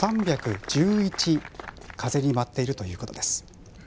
３１１、風に舞っているということです。